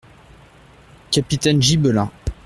- Capitaines gibelins.